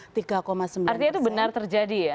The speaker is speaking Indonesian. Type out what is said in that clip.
artinya itu benar terjadi ya